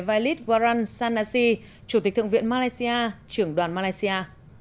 valis waran sanasi chủ tịch thượng viện malaysia trưởng đoàn malaysia